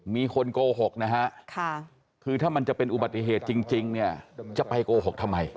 มีคนโกหกนะฮะคือถ้ามันจะเป็นอุบัติเหตุจริงเนี่ยจะไปโกหกทำไม